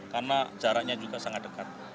karena jaraknya juga sangat dekat